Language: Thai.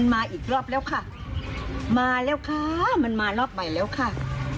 ไปจักราดแล้วมันออกนอกบ้าน